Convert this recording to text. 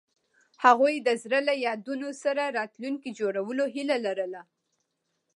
هغوی د زړه له یادونو سره راتلونکی جوړولو هیله لرله.